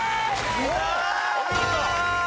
お見事！